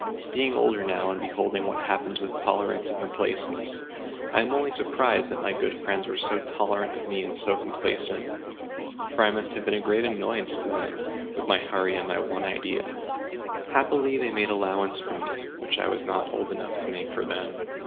Being older now, and beholding what happens with tolerance and complacence, I am only surprised that my good friends were so tolerant of me and so complacent. For I must have been a great annoyance to them, with my hurry and my one idea. Happily they made allowance for me, which I was not old enough to make for them.